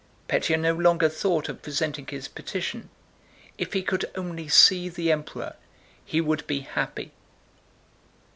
Pétya no longer thought of presenting his petition. If he could only see the Emperor he would be happy!